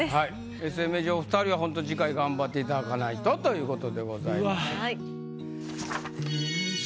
永世名人お二人はほんと次回頑張っていただかないとという事でございます。